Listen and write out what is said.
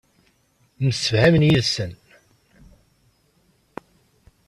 Msefhamen yid-sen.